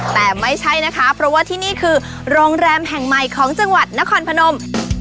แต่ไม่ใช่นะคะเพราะว่าที่นี่คือโรงแรมแห่งใหม่ของจังหวัดนครพนม